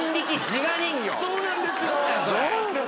そうなんですよ。